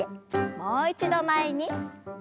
もう一度前に。